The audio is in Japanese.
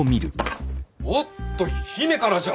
おっと姫からじゃ！